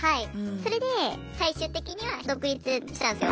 それで最終的には独立したんですよ。